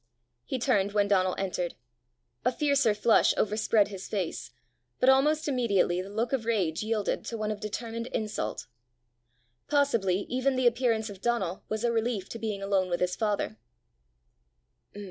He turned when Donal entered. A fiercer flush overspread his face, but almost immediately the look of rage yielded to one of determined insult. Possibly even the appearance of Donal was a relief to being alone with his father.